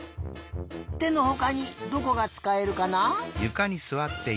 てのほかにどこがつかえるかな？